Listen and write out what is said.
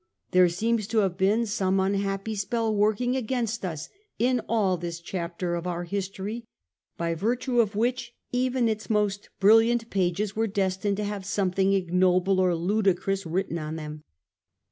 There seems to have been some un happy spell working against us in all this chapter of our history, by virtue of which even its most brilliant pages were destined to have some thing ignoble or ludicrous written on them.